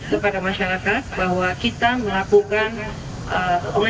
kepada masyarakat bahwa kita melakukan pengecekan sebelum bbm itu kita punggah